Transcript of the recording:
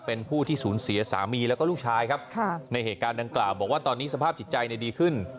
เป็นผู้ที่สูญเสียสามีแล้วก็ลูกชายครับในเหตุการณ์ดังกล่าวบอกว่าตอนนี้สภาพจิตใจดีขึ้น